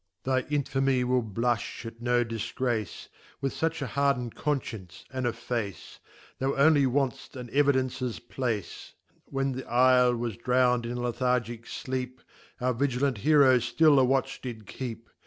Thy Infamy will blufti at no difgrace, (With fuch a harden d Confcience, and a Face) Thou only want'ft an Evidences place. When trifle was drown'd in a Lethargick. fleep, Our vigilant Heroe ftill a watch did keep.